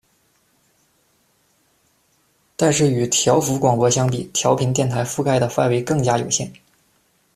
但是与调幅广播相比，调频电台覆盖的范围更加有限。